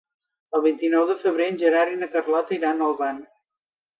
El vint-i-nou de febrer en Gerard i na Carlota iran a Olvan.